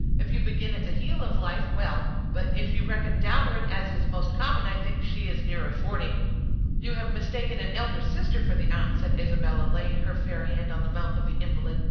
If you begin at the heel of life, well; but if you reckon downward, as is most common, I think she is nearer forty." "You have mistaken an elder sister for the aunt," said Isabella, laying her fair hand on the mouth of the invalid.